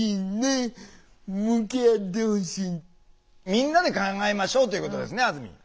みんなで考えましょうということですねあずみん。